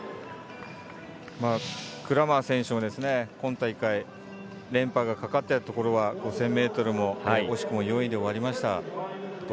クラマー選手は今大会、連覇がかかったところは５０００ｍも惜しくも４位で終わりました。